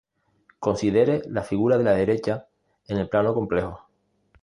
Considere la figura de la derecha en el plano complejo.